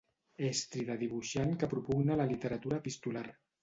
Estri de dibuixant que propugna la literatura epistolar.